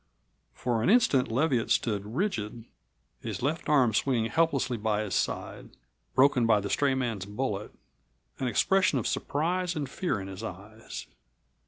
For an instant Leviatt stood rigid, his left arm swinging helplessly by his side, broken by the stray man's bullet, an expression of surprise and fear in his eyes.